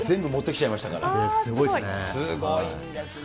これ、すごいですね。